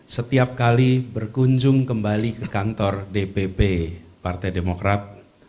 setiap kali berkunjung kembali ke kantor dpp partai demokrat